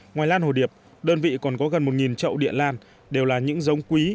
ngoài lan hồ điệp đơn vị còn có gần một trậu địa lan đều là những giống quý